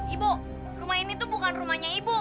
ibu rumah ini tuh bukan rumahnya ibu